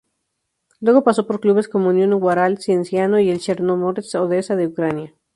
Luego pasó por clubes como Unión Huaral, Cienciano y el Chernomorets Odessa de Ucrania.